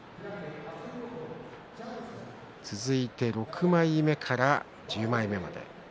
続いて６枚目から１０枚目まで。